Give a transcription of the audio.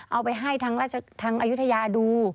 เอาไปให้ทางอายุทยาดู